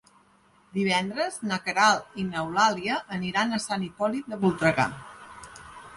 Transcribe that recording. Divendres na Queralt i n'Eulàlia aniran a Sant Hipòlit de Voltregà.